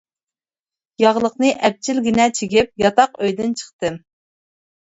ياغلىقنى ئەپچىلگىنە چىگىپ ياتاق ئۆيدىن چىقتىم.